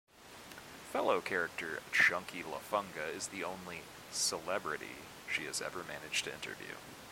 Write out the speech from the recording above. Fellow character Chunky Lafunga is the only "celebrity" she has ever managed to interview.